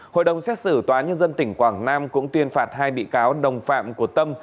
hội đồng xét xử tòa nhân dân tỉnh quảng nam cũng tuyên phạt hai bị cáo đồng phạm của tâm